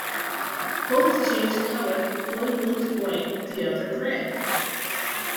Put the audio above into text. Both changed colour, one looked white, the other red.